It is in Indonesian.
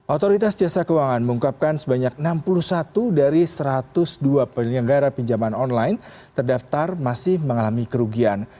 otoritas jasa keuangan mengungkapkan sebanyak enam puluh satu dari satu ratus dua penyelenggara pinjaman online terdaftar masih mengalami kerugian